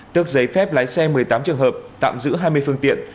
tước giấy phép lái xe một mươi tám trường hợp tạm giữ hai mươi phương tiện